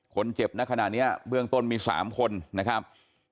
คนเจ็บณขณะนี้เบื้องต้นมี๓คนนะครับ